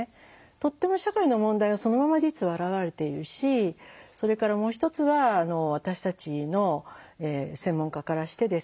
とっても社会の問題がそのまま実は表れているしそれからもう一つは私たちの専門家からしてですね